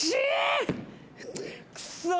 くそ！